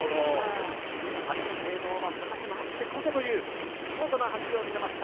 やはり資生堂は高島あってこそという記録を見せました。